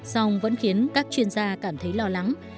song vẫn khiến các chuyên gia cảm thấy lo lắng